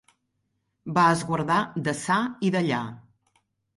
Va esguardar deçà i dellà.